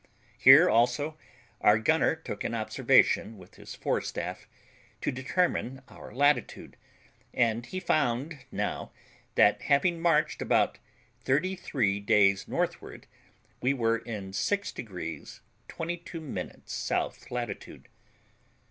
Here also our gunner took an observation with his forestaff, to determine our latitude, and he found now, that having marched about thirty three days northward, we were in 6 degrees 22 minutes south latitude.